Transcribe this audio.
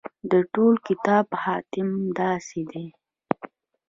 د ټول کتاب خاتمه داسې ده.